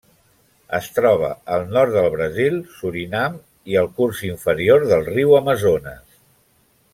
Es troba al nord del Brasil, Surinam i el curs inferior del riu Amazones.